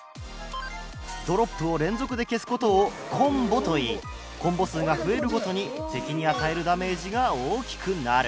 ドロップを連続で消す事を「コンボ」といいコンボ数が増えるごとに敵に与えるダメージが大きくなる。